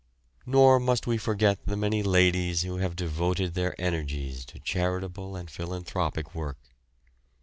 Nor must we forget the many ladies who have devoted their energies to charitable and philanthropic work.